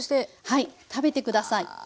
はい食べて下さい。